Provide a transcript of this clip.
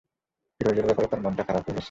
ফিরোজের ব্যাপারে তাঁর মনটা খারাপ হয়ে গেছে।